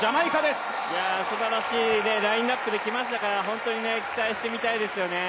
すばらしいラインナップできましたから本当に期待して見たいですよね。